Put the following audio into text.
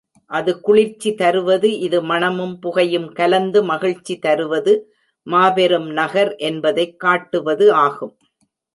அது குளிர்ச்சி தருவது இது மணமும் புகையும் கலந்து மகிழ்ச்சி தருவது மாபெரும் நகர் என்பதைக் காட்டுவது ஆகும்.